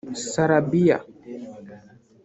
Sarabia